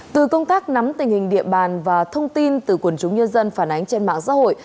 từ công tác nắm tình hình địa bàn và thông tin từ quần chúng nhân dân phản ánh trên mạng xã hội